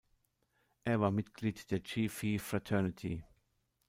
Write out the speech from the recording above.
Er war Mitglied der "Chi Phi Fraternity".